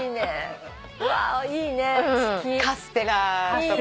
いいね。